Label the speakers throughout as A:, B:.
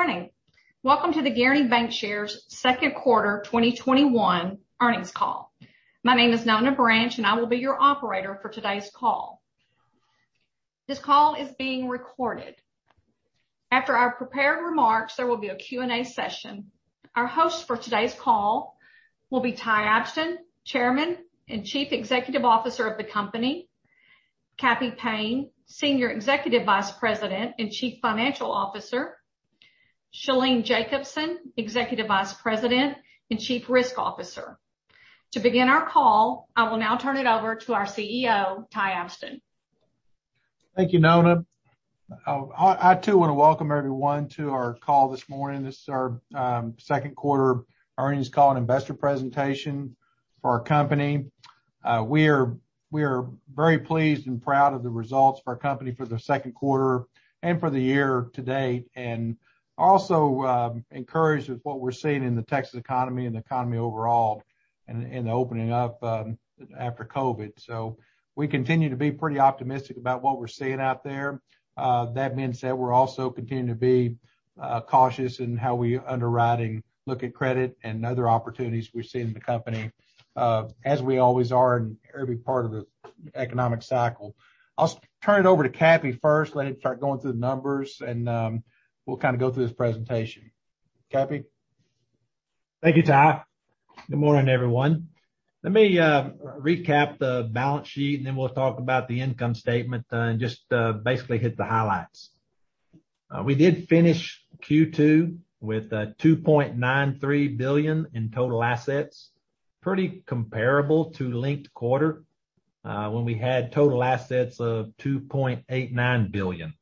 A: Good morning. Welcome to the Guaranty Bancshares Q2 2021 earnings call. My name is Nona Branch, and I will be your operator for today's call. This call is being recorded. After our prepared remarks, there will be a Q&A session. Our hosts for today's call will be Ty Abston, Chairman and Chief Executive Officer of the company, Cappy Payne, Senior Executive Vice President and Chief Financial Officer, Shalene Jacobson, Executive Vice President and Chief Risk Officer. To begin our call, I will now turn it over to our CEO, Ty Abston.
B: Thank you, Nona. I too want to welcome everyone to our call this morning. This is our Q2 earnings call and investor presentation for our company. We are very pleased and proud of the results for our company for the Q2 and for the year to date, and also encouraged with what we're seeing in the Texas economy and the economy overall in the opening up after COVID. We continue to be pretty optimistic about what we're seeing out there. That being said, we're also continuing to be cautious in how we underwriting look at credit and other opportunities we see in the company, as we always are in every part of the economic cycle. I'll turn it over to Cappy first, let him start going through the numbers and we'll go through this presentation. Cappy?
C: Thank you, Ty. Good morning, everyone. Let me recap the balance sheet, and then we'll talk about the income statement and just basically hit the highlights. We did finish Q2 with $2.93 billion in total assets, pretty comparable to linked quarter, when we had total assets of $2.89 billion.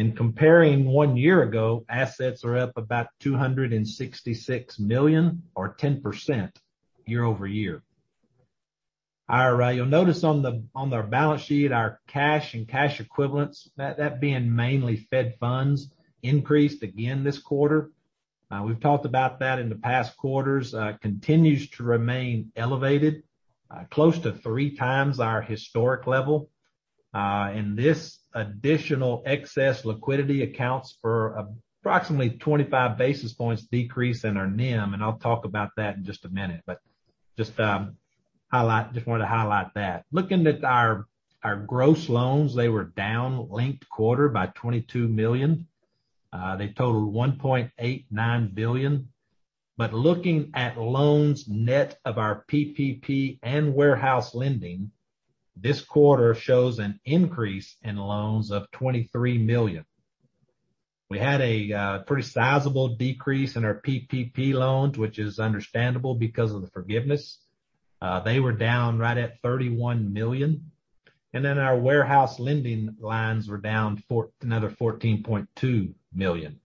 C: In comparing one year ago, assets are up about $266 million or 10% year-over-year. You'll notice on our balance sheet, our cash and cash equivalents, that being mainly Fed funds, increased again this quarter. We've talked about that in the past quarters. Continues to remain elevated, close to three times our historic level. This additional excess liquidity accounts for approximately 25 basis points decrease in our NIM, and I'll talk about that in just a minute, but just wanted to highlight that. Looking at our gross loans, they were down linked quarter by $22 million. They totaled $1.89 billion. Looking at loans net of our PPP and warehouse lending, this quarter shows an increase in loans of $23 million. We had a pretty sizable decrease in our PPP loans, which is understandable because of the forgiveness. They were down right at $31 million. Our warehouse lending lines were down another $14.2 million.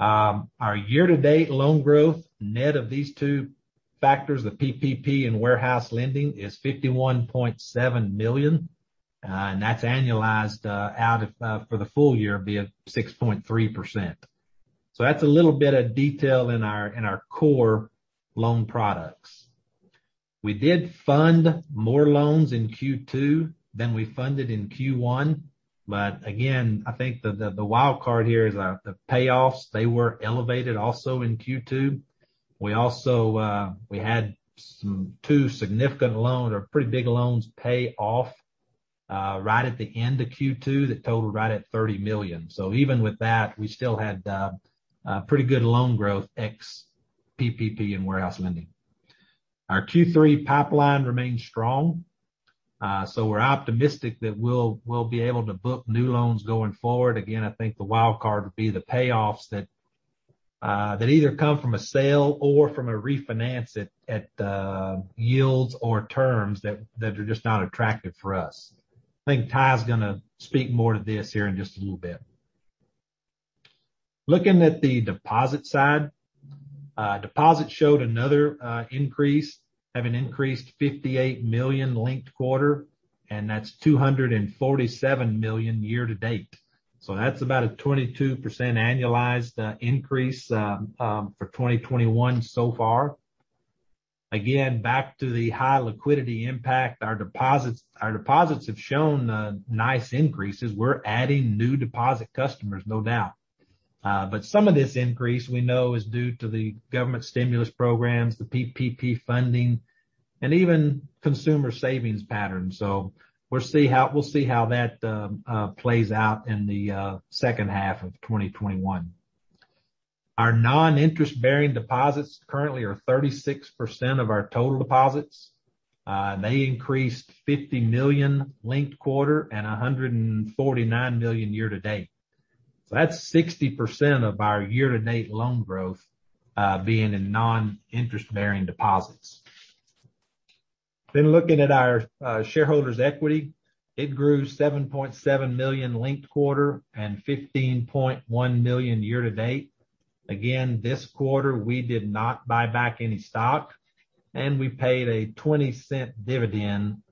C: Our year-to-date loan growth net of these two factors, the PPP and warehouse lending, is $51.7 million. That's annualized out for the full year via 6.3%. That's a little bit of detail in our core loan products. We did fund more loans in Q2 than we funded in Q1, but again, I think the wild card here is the payoffs. They were elevated also in Q2. We had two significant loans or pretty big loans pay off right at the end of Q2 that totaled right at $30 million. Even with that, we still had pretty good loan growth ex PPP and warehouse lending. Our Q3 pipeline remains strong, so we're optimistic that we'll be able to book new loans going forward. I think the wild card would be the payoffs that either come from a sale or from a refinance at yields or terms that are just not attractive for us. I think Ty's going to speak more to this here in just a little bit. Looking at the deposit side. Deposit showed another increase, having increased $58 million linked quarter, and that's $247 million year to date. That's about a 22% annualized increase for 2021 so far. Back to the high liquidity impact, our deposits have shown nice increases. We're adding new deposit customers, no doubt. Some of this increase we know is due to the government stimulus programs, the PPP funding, and even consumer savings patterns. We'll see how that plays out in the second half of 2021. Our non-interest-bearing deposits currently are 36% of our total deposits. They increased $50 million linked quarter and $149 million year-to-date. That's 60% of our year-to-date loan growth being in non-interest-bearing deposits. Looking at our shareholders' equity, it grew $7.7 million linked quarter and $15.1 million year-to-date. Again, this quarter, we did not buy back any stock, and we paid a $0.20 dividend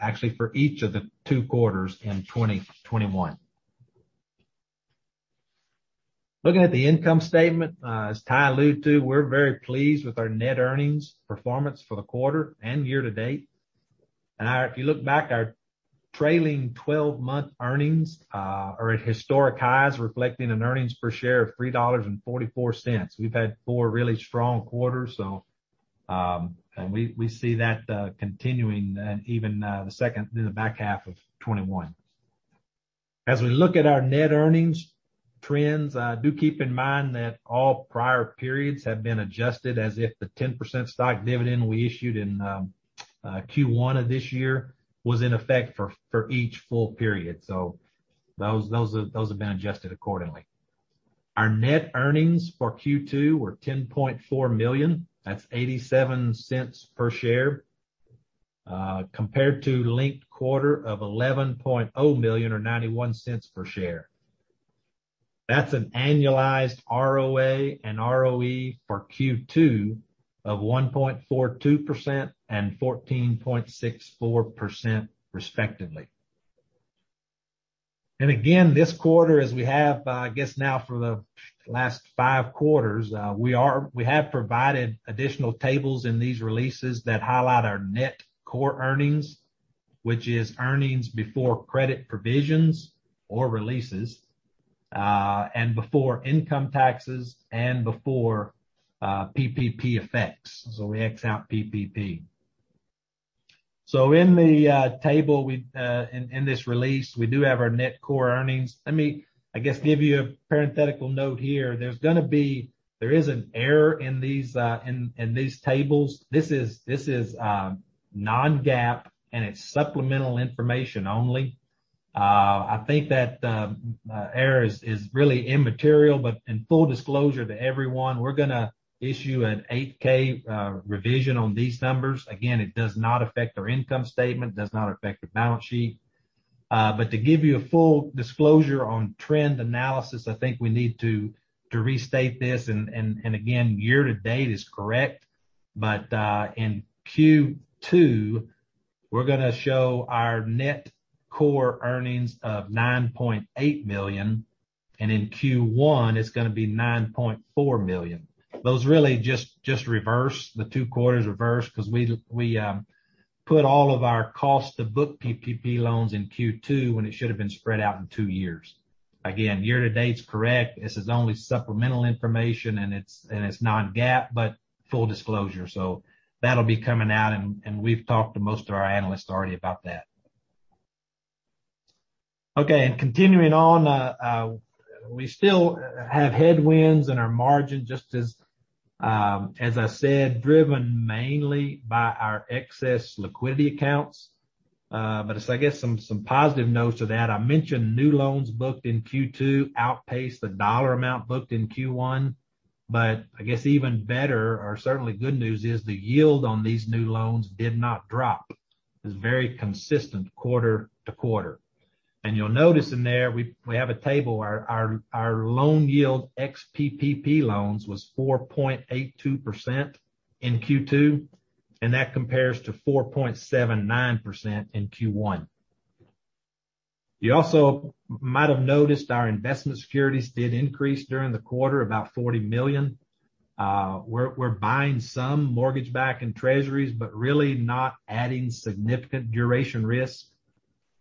C: actually for each of the two quarters in 2021. Looking at the income statement, as Ty alluded to, we're very pleased with our net earnings performance for the quarter and year to date. If you look back, our trailing 12-month earnings are at historic highs, reflecting an earnings per share of $3.44. We've had four really strong quarters, and we see that continuing in the back half of 2021. As we look at our net earnings trends, do keep in mind that all prior periods have been adjusted as if the 10% stock dividend we issued in Q1 of this year was in effect for each full period. Those have been adjusted accordingly. Our net earnings for Q2 were $10.4 million. That's $0.87 per share, compared to linked quarter of $11.0 million or $0.91 per share. That's an annualized ROA and ROE for Q2 of 1.42% and 14.64%, respectively. Again, this quarter, as we have I guess now for the last five quarters, we have provided additional tables in these releases that highlight our net core earnings, which is earnings before credit provisions or releases, and before income taxes, and before PPP effects. We X out PPP. In the table in this release, we do have our net core earnings. Let me, I guess, give you a parenthetical note here. There is an error in these tables. This is non-GAAP, and it's supplemental information only. I think that error is really immaterial, but in full disclosure to everyone, we're going to issue an 8-K revision on these numbers. Again, it does not affect our income statement, does not affect the balance sheet. To give you a full disclosure on trend analysis, I think we need to restate this, and again, year to date is correct, but in Q2, we're going to show our net core earnings of $9.8 million, and in Q1, it's going to be $9.4 million. Those really just reverse. The two quarters reverse because we put all of our cost to book PPP loans in Q2 when it should've been spread out in two years. Again, year to date is correct. This is only supplemental information, and it's non-GAAP, but full disclosure. That'll be coming out, and we've talked to most of our analysts already about that. Okay. Continuing on, we still have headwinds in our margin, just as I said, driven mainly by our excess liquidity accounts. I guess some positive notes to that, I mentioned new loans booked in Q2 outpaced the dollar amount booked in Q1. I guess even better or certainly good news is the yield on these new loans did not drop. It's very consistent quarter-to-quarter. You'll notice in there, we have a table, our loan yield ex-PPP loans was 4.82% in Q2, and that compares to 4.79% in Q1. You also might have noticed our investment securities did increase during the quarter, about $40 million. We're buying some mortgage-backed and treasuries, but really not adding significant duration risk,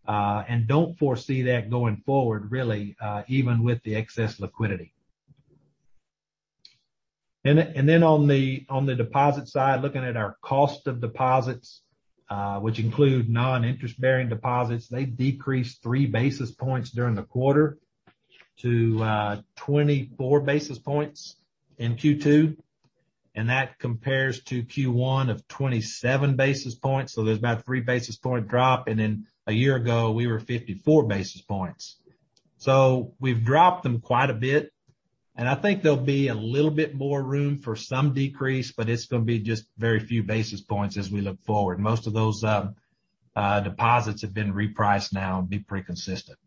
C: and don't foresee that going forward, really, even with the excess liquidity. On the deposit side, looking at our cost of deposits, which include non-interest-bearing deposits, they decreased 3 basis points during the quarter to 24 basis points in Q2. That compares to Q1 of 27 basis points. There's about a 3 basis point drop. A year ago, we were 54 basis points. We've dropped them quite a bit, and I think there'll be a little bit more room for some decrease, but it's going to be just very few basis points as we look forward. Most of those deposits have been repriced now and be pretty consistent.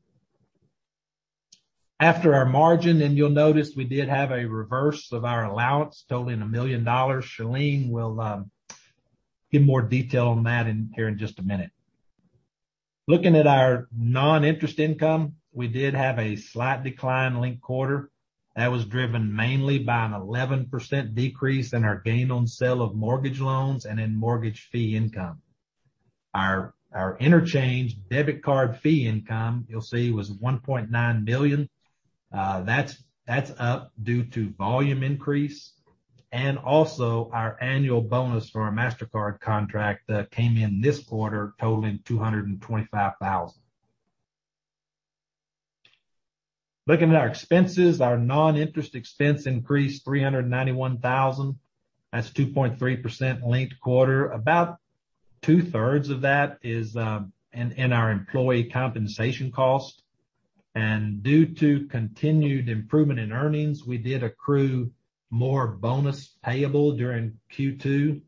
C: After our margin, you'll notice we did have a reverse of our allowance totaling $1 million. Shalene will give more detail on that here in just a minute. Looking at our non-interest income, we did have a slight decline linked quarter. That was driven mainly by an 11% decrease in our gain on sale of mortgage loans and in mortgage fee income. Our interchange debit card fee income, you'll see, was $1.9 million. That's up due to volume increase, and also our annual bonus for our Mastercard contract that came in this quarter totaling $225,000. Looking at our expenses, our non-interest expense increased $391,000. That's 2.3% linked-quarter. About two-thirds of that is in our employee compensation cost. Due to continued improvement in earnings, we did accrue more bonus payable during Q2.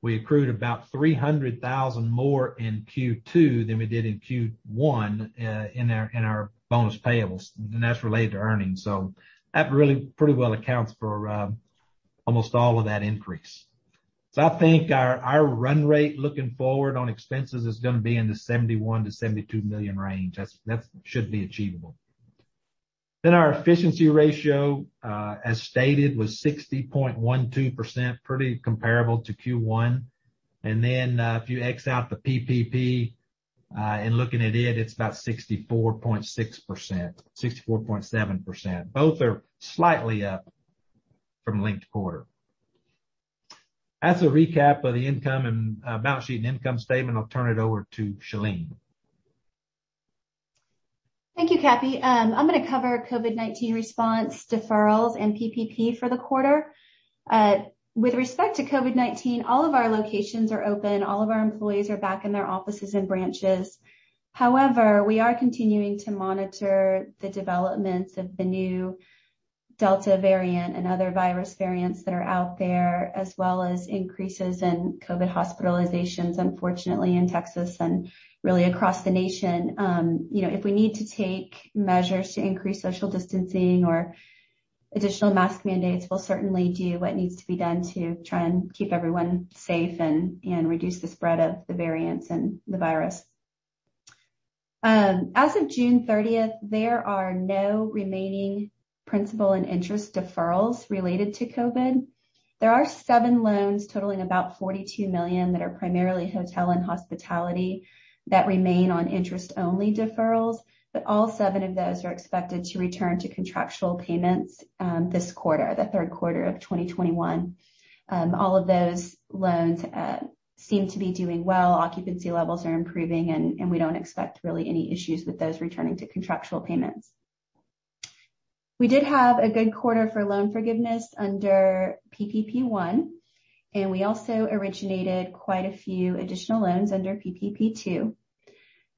C: We accrued about $300,000 more in Q2 than we did in Q1 in our bonus payables, and that's related to earnings. That really pretty well accounts for almost all of that increase. I think our run rate looking forward on expenses is going to be in the $71 million-$72 million range. That should be achievable. Our efficiency ratio, as stated, was 60.12%, pretty comparable to Q1. If you X out the PPP, and looking at it's about 64.6%, 64.7%. Both are slightly up from linked quarter. That's a recap of the income and balance sheet and income statement. I'll turn it over to Shalene.
D: Thank you, Cappy. I'm going to cover COVID-19 response deferrals and PPP for the quarter. With respect to COVID-19, all of our locations are open. All of our employees are back in their offices and branches. However, we are continuing to monitor the developments of the new Delta variant and other virus variants that are out there, as well as increases in COVID hospitalizations, unfortunately, in Texas and really across the nation. If we need to take measures to increase social distancing or additional mask mandates, we'll certainly do what needs to be done to try and keep everyone safe and reduce the spread of the variants and the virus. As of June 30th, there are no remaining principal and interest deferrals related to COVID. There are seven loans totaling about $42 million that are primarily hotel and hospitality that remain on interest-only deferrals, but all seven of those are expected to return to contractual payments this quarter, the third quarter of 2021. All of those loans seem to be doing well. Occupancy levels are improving, and we don't expect really any issues with those returning to contractual payments. We did have a good quarter for loan forgiveness under PPP1, and we also originated quite a few additional loans under PPP2.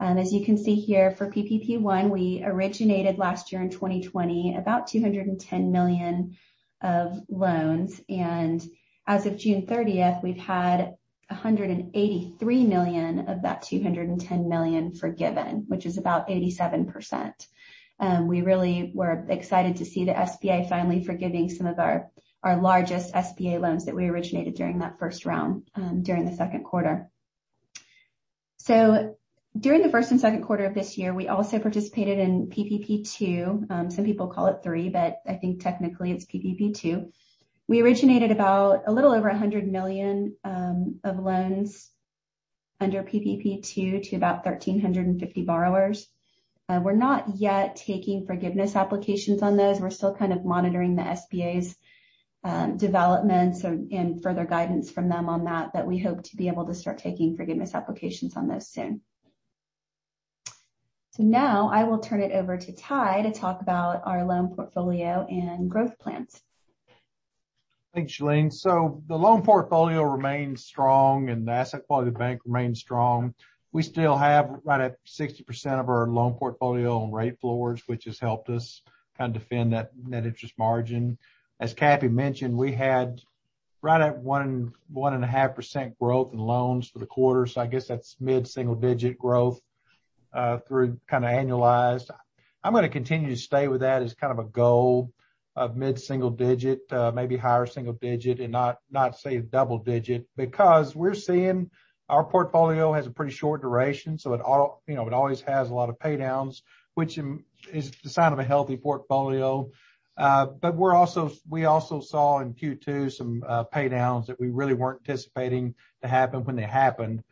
D: As you can see here for PPP1, we originated last year in 2020 about $210 million of loans, and as of June 30th, we've had $183 million of that $210 million forgiven, which is about 87%. We really were excited to see the SBA finally forgiving some of our largest SBA loans that we originated during that first round during the Q2. During the 1st and Q2 of this year, we also participated in PPP2. Some people call it three, but I think technically it's PPP2. We originated about a little over $100 million of loans under PPP2 to about 1,350 borrowers. We're not yet taking forgiveness applications on those. We're still kind of monitoring the SBA's developments and further guidance from them on that, but we hope to be able to start taking forgiveness applications on those soon. Now I will turn it over to Ty to talk about our loan portfolio and growth plans.
B: Thanks, Shalene. The loan portfolio remains strong, and the asset quality of the bank remains strong. We still have right at 60% of our loan portfolio on rate floors, which has helped us kind of defend that net interest margin. As Cappy Payne mentioned, we had right at 1.5% growth in loans for the quarter. I guess that's mid-single digit growth through kind of annualized. I'm going to continue to stay with that as kind of a goal of mid-single digit, maybe higher single digit, and not say double digit, because we're seeing our portfolio has a pretty short duration. It always has a lot of pay downs, which is the sign of a healthy portfolio. We also saw in Q2 some pay downs that we really weren't anticipating to happen when they happened.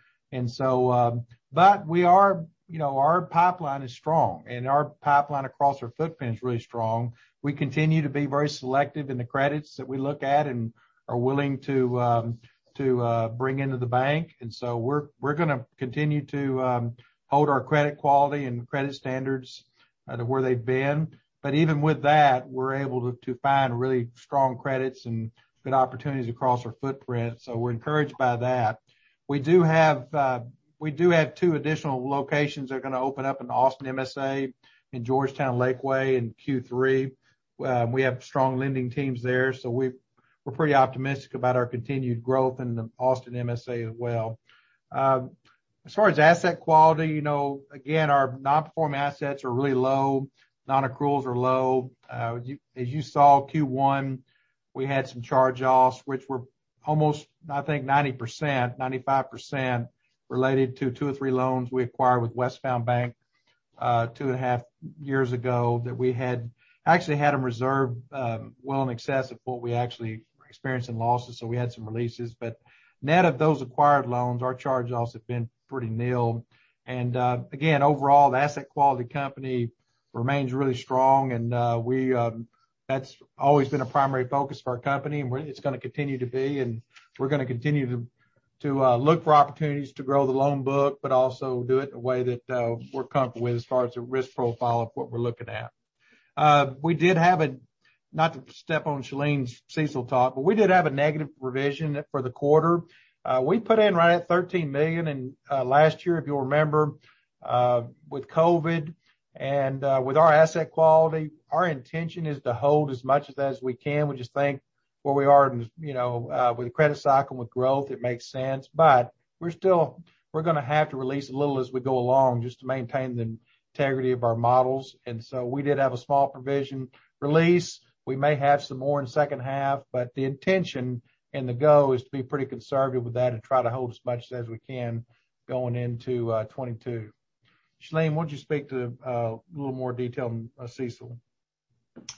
B: Our pipeline is strong, and our pipeline across our footprint is really strong. We continue to be very selective in the credits that we look at and are willing to bring into the bank. We're going to continue to hold our credit quality and credit standards to where they've been. Even with that, we're able to find really strong credits and good opportunities across our footprint. We're encouraged by that. We do have two additional locations that are going to open up in Austin MSA, in Georgetown Lakeway in Q3. We have strong lending teams there, we're pretty optimistic about our continued growth in the Austin MSA as well. As far as asset quality, again, our non-performing assets are really low. Non-accruals are low. You saw, Q1, we had some charge-offs, which were almost, I think, 90%-95% related to two or three loans we acquired with Westbound Bank two and a half years ago that we had actually had them reserved well in excess of what we actually were experiencing losses. We had some releases. Net of those acquired loans, our charge-offs have been pretty nil. Again, overall, the asset quality company remains really strong. That's always been a primary focus for our company. It's going to continue to be. We're going to continue to look for opportunities to grow the loan book, also do it in a way that we're comfortable with as far as the risk profile of what we're looking at. Not to step on Shalene's CECL talk, we did have a negative provision for the quarter. We put in right at $13 million. Last year, if you'll remember, with COVID and with our asset quality, our intention is to hold as much of that as we can. We just think where we are with the credit cycle and with growth, it makes sense. We're going to have to release a little as we go along just to maintain the integrity of our models. We did have a small provision release. We may have some more in the second half. The intention and the goal is to be pretty conservative with that and try to hold as much as we can going into 2022. Shalene, why don't you speak to a little more detail on CECL?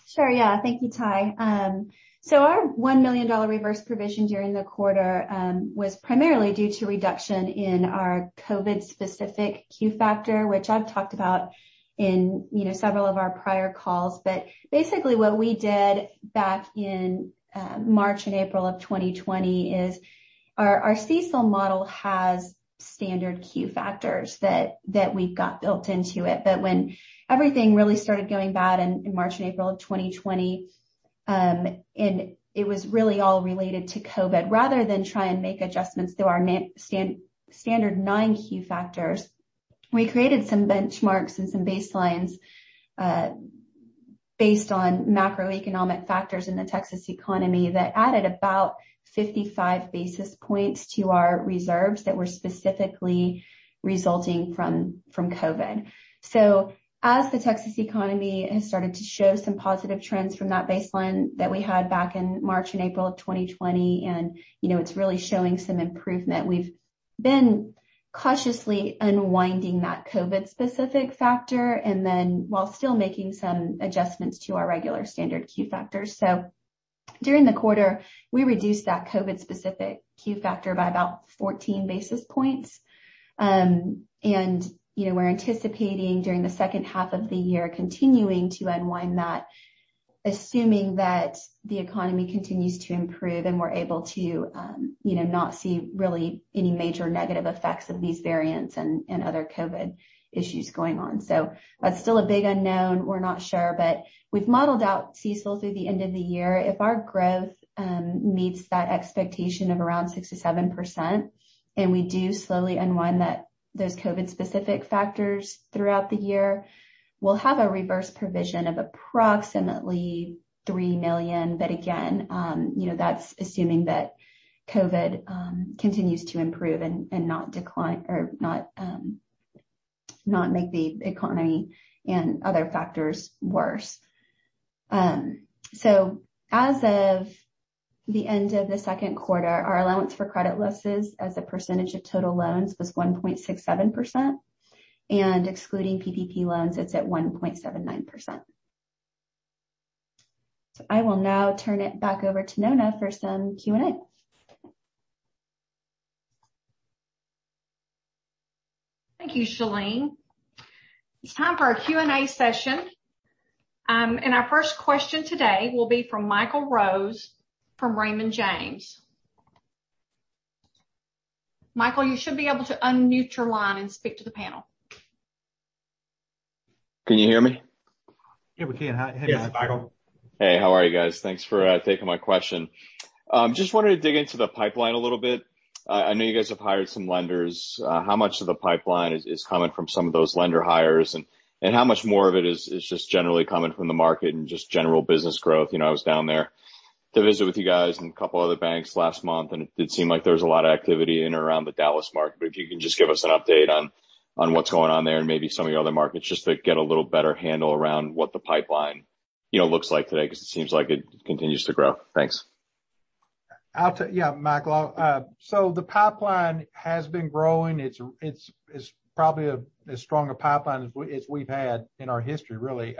D: Sure. Yeah. Thank you, Ty. Our $1 million reverse provision during the quarter was primarily due to reduction in our COVID-specific Q factor, which I've talked about in several of our prior calls. Basically what we did back in March and April of 2020 is our CECL model has standard Q factors that we've got built into it. When everything really started going bad in March and April of 2020, and it was really all related to COVID, rather than try and make adjustments through our standard nine Q factors, we created some benchmarks and some baselines based on macroeconomic factors in the Texas economy that added about 55 basis points to our reserves that were specifically resulting from COVID. As the Texas economy has started to show some positive trends from that baseline that we had back in March and April of 2020, and it's really showing some improvement, we've been cautiously unwinding that COVID-specific factor, while still making some adjustments to our regular standard Q factors. During the quarter, we reduced that COVID-specific Q factor by about 14 basis points. We're anticipating during the second half of the year continuing to unwind that, assuming that the economy continues to improve and we're able to not see really any major negative effects of these variants and other COVID issues going on. That's still a big unknown. We're not sure, but we've modeled out CECL through the end of the year. If our growth meets that expectation of around 67%, and we do slowly unwind those COVID-specific factors throughout the year, we'll have a reverse provision of approximately $3 million. Again, that's assuming that COVID continues to improve and not decline or not make the economy and other factors worse. As of the end of the Q2, our allowance for credit losses as a percentage of total loans was 1.67%, and excluding PPP loans, it's at 1.79%. I will now turn it back over to Nona for some Q&A.
A: Thank you, Shalene. It's time for our Q&A session. Our first question today will be from Michael Rose from Raymond James. Michael, you should be able to unmute your line and speak to the panel.
E: Can you hear me?
B: Yeah, we can. Hey, Michael.
E: Hey, how are you guys? Thanks for taking my question. Just wanted to dig into the pipeline a little bit. I know you guys have hired some lenders. How much of the pipeline is coming from some of those lender hires, and how much more of it is just generally coming from the market and just general business growth? I was down there to visit with you guys and two other banks last month. It did seem like there was a lot of activity in around the Dallas market. If you can just give us an update on what's going on there and maybe some of your other markets, just to get a little better handle around what the pipeline looks like today, because it seems like it continues to grow. Thanks.
B: Yeah, Michael. The pipeline has been growing. It's probably as strong a pipeline as we've had in our history, really.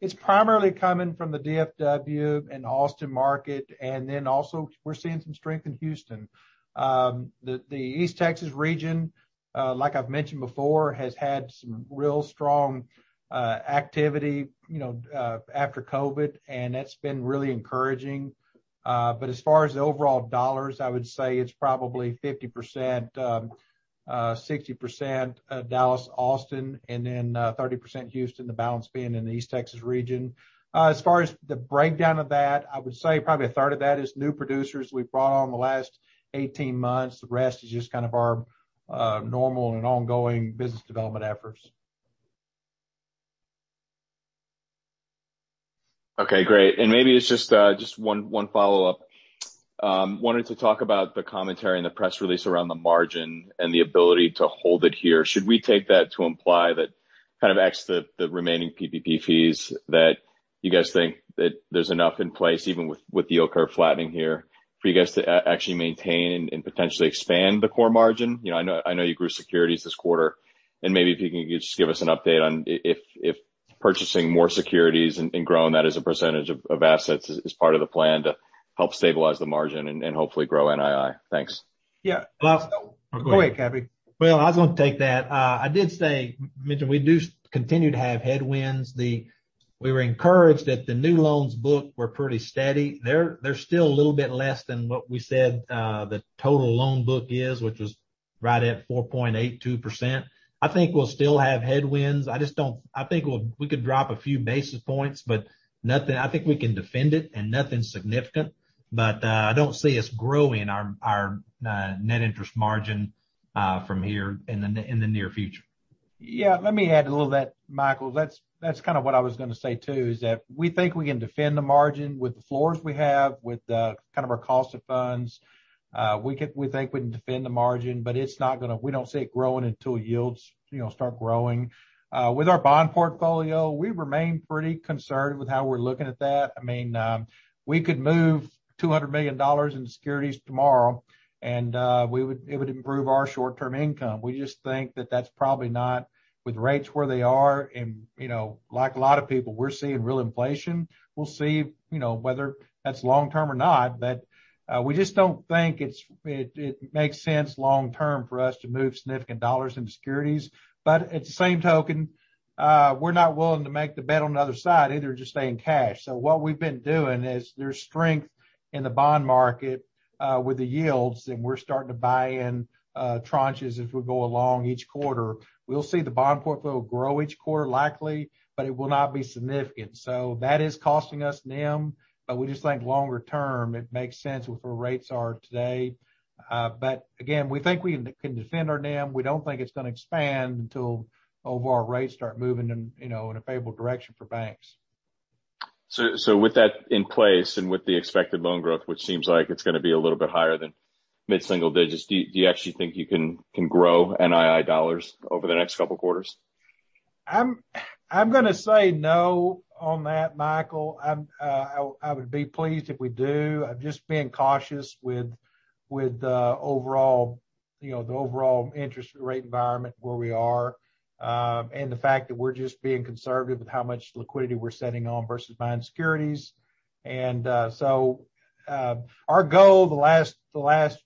B: It's primarily coming from the DFW and Austin market, and then also we're seeing some strength in Houston. The East Texas region, like I've mentioned before, has had some real strong activity after COVID, and that's been really encouraging. As far as the overall dollars, I would say it's probably 50%-60% Dallas, Austin, and then 30% Houston, the balance being in the East Texas region. As far as the breakdown of that, I would say probably a third of that is new producers we've brought on the last 18 months. The rest is just kind of our normal and ongoing business development efforts.
E: Maybe it's just one follow-up. Wanted to talk about the commentary in the press release around the margin and the ability to hold it here. Should we take that to imply that kind of X the remaining PPP fees that you guys think that there's enough in place, even with the yield curve flattening here, for you guys to actually maintain and potentially expand the core margin? I know you grew securities this quarter, and maybe if you can just give us an update on if purchasing more securities and growing that as a percentage of assets is part of the plan to help stabilize the margin and hopefully grow NII. Thanks.
B: Yeah. Go ahead, Cappy.
C: Well, I was going to take that. I did say, mentioned we do continue to have headwinds. We were encouraged that the new loans book were pretty steady. They're still a little bit less than what we said the total loan book is, which was right at 4.82%. I think we'll still have headwinds. I think we could drop a few basis points, but I think we can defend it and nothing significant, but I don't see us growing our net interest margin from here in the near future.
B: Yeah, let me add a little to that, Michael. That's kind of what I was going to say too, is that we think we can defend the margin with the floors we have, with kind of our cost of funds. We think we can defend the margin, we don't see it growing until yields start growing. With our bond portfolio, we remain pretty concerned with how we're looking at that. I mean, we could move $200 million into securities tomorrow, it would improve our short-term income. We just think that with rates where they are, like a lot of people, we're seeing real inflation. We'll see whether that's long-term or not, we just don't think it makes sense long-term for us to move significant dollars into securities. At the same token, we're not willing to make the bet on the other side either, just staying cash. What we've been doing is there's strength in the bond market with the yields, and we're starting to buy in tranches as we go along each quarter. We'll see the bond portfolio grow each quarter likely, but it will not be significant. That is costing us NIM, but we just think longer term, it makes sense with where rates are today. Again, we think we can defend our NIM. We don't think it's going to expand until overall rates start moving in a favorable direction for banks.
E: With that in place and with the expected loan growth, which seems like it's going to be a little bit higher than mid-single digits, do you actually think you can grow NII dollars over the next couple of quarters?
B: I'm going to say no on that, Michael. I would be pleased if we do. I'm just being cautious with the overall interest rate environment where we are and the fact that we're just being conservative with how much liquidity we're sitting on versus buying securities. Our goal the last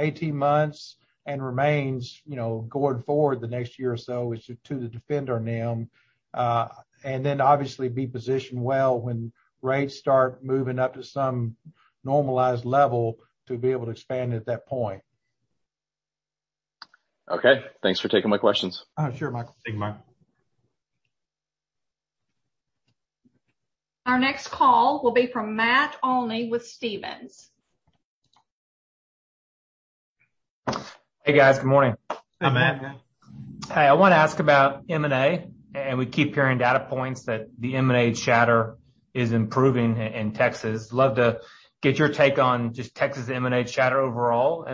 B: 18 months and remains, going forward the next year or so, is to defend our NIM. Then obviously be positioned well when rates start moving up to some normalized level to be able to expand at that point.
E: Okay. Thanks for taking my questions.
B: Oh, sure, Michael.
A: Thank you, Michael. Our next call will be from Matt Olney with Stephens.
F: Hey, guys. Good morning.
B: Hey, Matt.
F: Hey, Matt. I want to ask about M&A, we keep hearing data points that the M&A chatter is improving in Texas. Love to get your take on just Texas M&A chatter overall,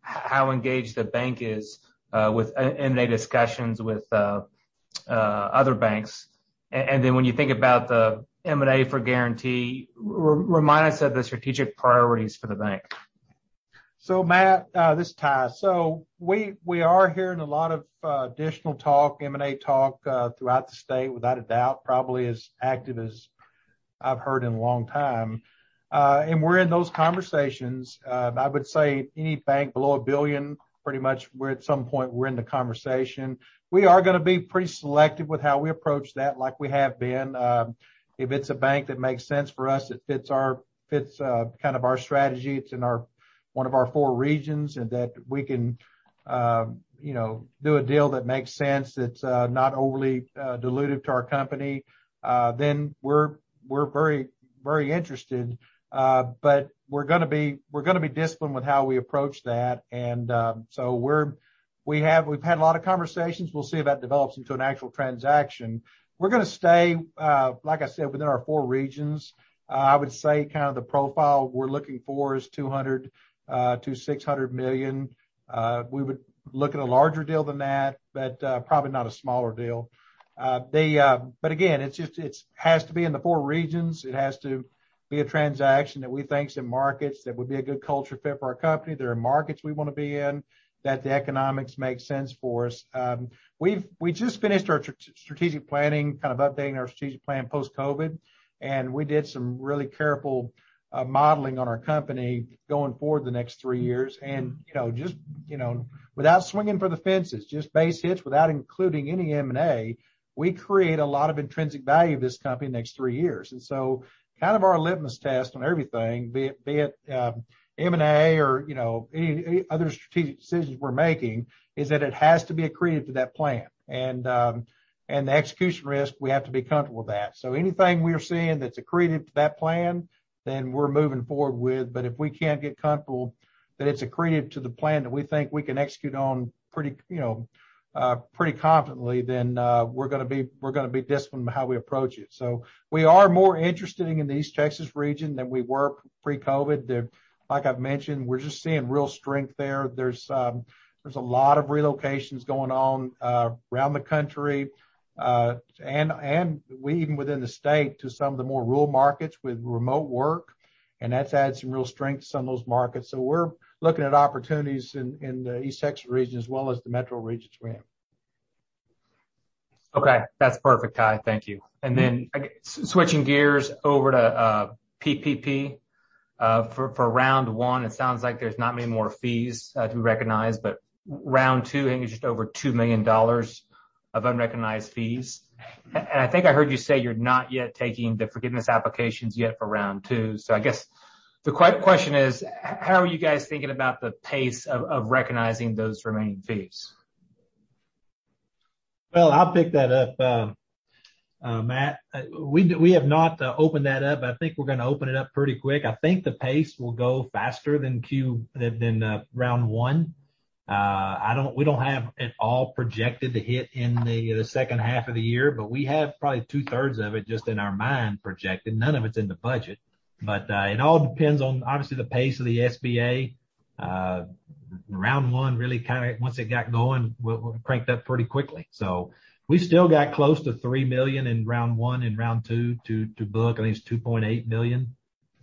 F: how engaged the bank is with M&A discussions with other banks. When you think about the M&A for Guaranty, remind us of the strategic priorities for the bank.
B: Matt, this is Ty. We are hearing a lot of additional talk, M&A talk, throughout the state, without a doubt, probably as active as I've heard in a long time. We're in those conversations. I would say any bank below $1 billion, pretty much we're at some point we're in the conversation. We are going to be pretty selective with how we approach that like we have been. If it's a bank that makes sense for us, that fits kind of our strategy, it's in one of our four regions, and that we can do a deal that makes sense, that's not overly dilutive to our company, then we're very interested. We're going to be disciplined with how we approach that. We've had a lot of conversations. We'll see if that develops into an actual transaction. We're going to stay, like I said, within our four regions. I would say kind of the profile we're looking for is $200 million-$600 million. We would look at a larger deal than that, but probably not a smaller deal. Again, it has to be in the four regions. It has to be a transaction that we think some markets that would be a good culture fit for our company. There are markets we want to be in that the economics make sense for us. We just finished our strategic planning, kind of updating our strategic plan post-COVID, and we did some really careful modeling on our company going forward the next 3 years. Just without swinging for the fences, just base hits without including any M&A, we create a lot of intrinsic value of this company the next three years. Kind of our litmus test on everything, be it M&A or any other strategic decisions we're making, is that it has to be accretive to that plan. The execution risk, we have to be comfortable with that. Anything we're seeing that's accretive to that plan, then we're moving forward with. If we can't get comfortable that it's accretive to the plan that we think we can execute on pretty confidently, then we're going to be disciplined with how we approach it. We are more interested in the East Texas region than we were pre-COVID. Like I've mentioned, we're just seeing real strength there. There's a lot of relocations going on around the country. Even within the state to some of the more rural markets with remote work, and that's added some real strengths to some of those markets. We're looking at opportunities in the East Texas region as well as the metro regions we're in.
F: Okay. That's perfect, Ty. Thank you. Then switching gears over to PPP. For Round one, it sounds like there's not many more fees to be recognized, but Round two, I think it's just over $2 million of unrecognized fees. I think I heard you say you're not yet taking the forgiveness applications yet for Round two. I guess the question is, how are you guys thinking about the pace of recognizing those remaining fees?
C: Well, I'll pick that up. Matt Olney, we have not opened that up. I think we're going to open it up pretty quick. I think the pace will go faster than round one. We don't have it all projected to hit in the second half of the year, but we have probably two-thirds of it just in our mind projected. None of it's in the budget. It all depends on, obviously, the pace of the SBA. Round one really kind of once it got going, cranked up pretty quickly. We still got close to $3 million in round one and round two to book. I think it's $2.8 million.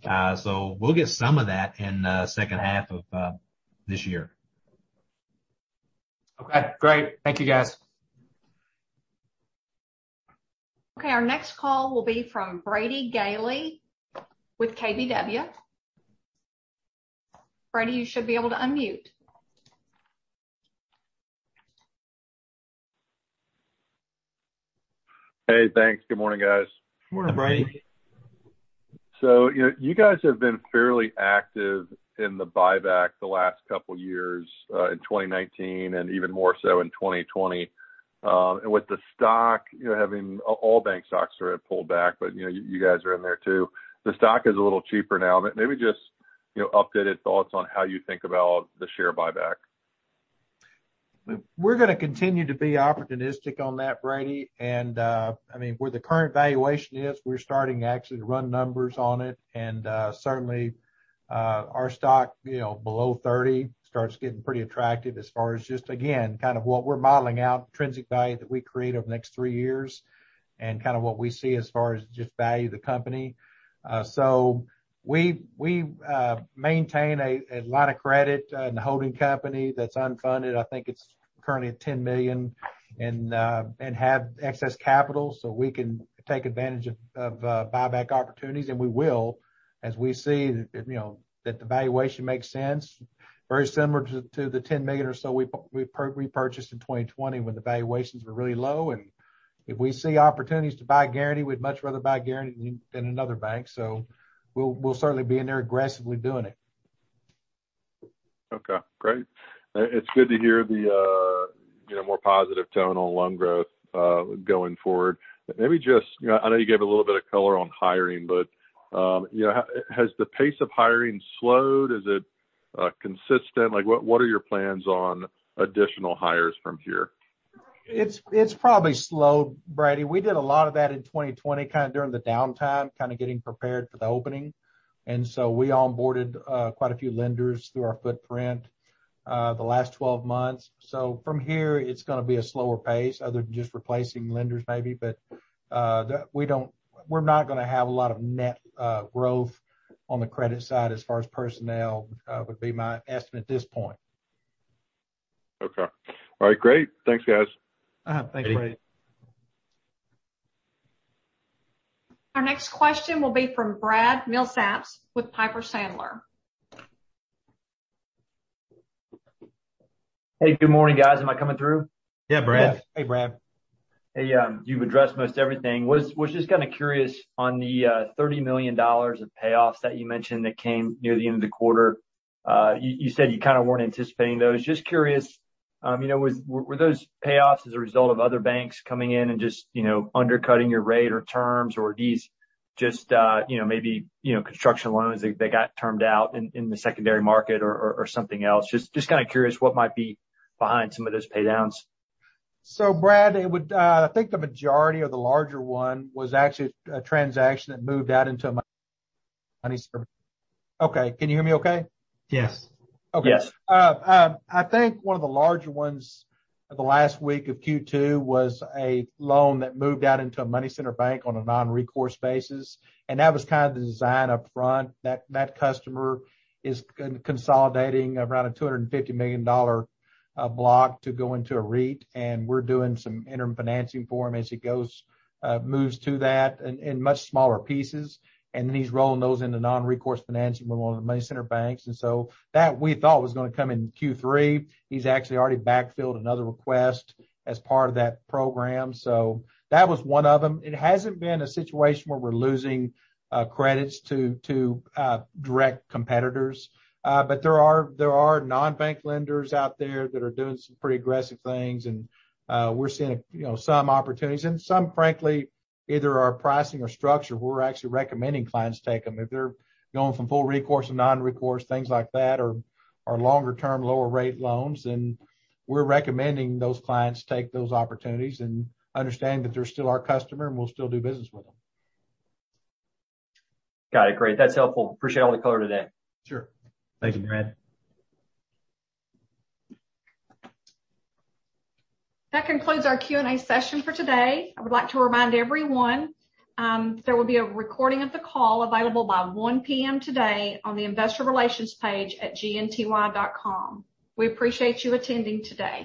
C: We'll get some of that in second half of this year.
A: Okay, great. Thank you, guys. Okay, our next call will be from Brady Gailey with KBW. Brady, you should be able to unmute.
G: Hey, thanks. Good morning, guys.
B: Morning. Hey, Brady.
G: You guys have been fairly active in the buyback the last couple years, in 2019, and even more so in 2020. With the stock having all bank stocks are at pullback, but you guys are in there, too. The stock is a little cheaper now, but maybe just updated thoughts on how you think about the share buyback?
B: We're going to continue to be opportunistic on that, Brady Gailey. Where the current valuation is, we're starting actually to run numbers on it. Certainly our stock below 30 starts getting pretty attractive as far as just again, kind of what we're modeling out, intrinsic value that we create over the next three years and kind of what we see as far as just value of the company. We maintain a lot of credit in the holding company that's unfunded, I think it's currently at $10 million, and have excess capital, so we can take advantage of buyback opportunities. We will, as we see that the valuation makes sense, very similar to the $10 million or so we purchased in 2020 when the valuations were really low. If we see opportunities to buy Guaranty, we'd much rather buy Guaranty than another bank. We'll certainly be in there aggressively doing it.
G: Okay, great. It's good to hear the more positive tone on loan growth going forward. I know you gave a little bit of color on hiring, but has the pace of hiring slowed? Is it consistent? What are your plans on additional hires from here?
B: It's probably slowed, Brady. We did a lot of that in 2020, kind of during the downtime, kind of getting prepared for the opening. We onboarded quite a few lenders through our footprint the last 12 months. From here, it's going to be a slower pace other than just replacing lenders, maybe. We're not going to have a lot of net growth on the credit side as far as personnel would be my estimate at this point.
G: Okay. All right, great. Thanks, guys.
B: Thanks, Brady.
A: Our next question will be from Brad Milsaps with Piper Sandler.
H: Hey, good morning, guys. Am I coming through?
B: Yeah, Brad. Hey, Brad.
H: Hey. You've addressed most everything. Was just kind of curious on the $30 million of payoffs that you mentioned that came near the end of the quarter. You said you kind of weren't anticipating those. Just curious, were those payoffs as a result of other banks coming in and just undercutting your rate or terms? Are these just maybe construction loans they got termed out in the secondary market or something else? Just kind of curious what might be behind some of those paydowns.
B: Brad, I think the majority of the larger one was actually a transaction that moved out into. Okay. Can you hear me okay?
H: Yes.
B: Okay. Yes. I think one of the larger ones the last week of Q2 was a loan that moved out into a money center bank on a non-recourse basis, and that was kind of the design up front. That customer is consolidating around a $250 million block to go into a REIT, and we're doing some interim financing for him as he moves to that in much smaller pieces. He's rolling those into non-recourse financing with one of the money center banks. That we thought was going to come in Q3. He's actually already backfilled another request as part of that program. That was one of them. It hasn't been a situation where we're losing credits to direct competitors. There are non-bank lenders out there that are doing some pretty aggressive things, and we're seeing some opportunities. Some, frankly, either our pricing or structure, we're actually recommending clients take them. If they're going from full recourse to non-recourse, things like that or longer term, lower rate loans, then we're recommending those clients take those opportunities and understand that they're still our customer, and we'll still do business with them.
H: Got it. Great. That's helpful. Appreciate all the color today.
B: Sure.
A: Thank you, Brad. That concludes our Q&A session for today. I would like to remind everyone there will be a recording of the call available by 1:00 P.M. today on the investor relations page at gnty.com. We appreciate you attending today.